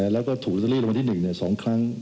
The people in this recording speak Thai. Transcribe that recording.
แล้วก็ถูตรีลงที่๑สองครั้ง